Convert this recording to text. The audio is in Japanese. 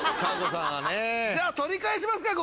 じゃあ取り返しますか？